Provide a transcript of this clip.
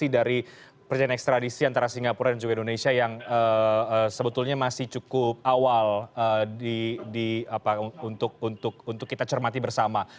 dan ekstradisi antara singapura dan juga indonesia yang sebetulnya masih cukup awal untuk kita cermati bersama